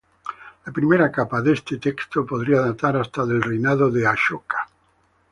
La primera capa de este texto podría datar hasta el reinado de Ashoka.